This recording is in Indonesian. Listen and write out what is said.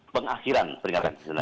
pengakhiran peringatan jadinya tsunami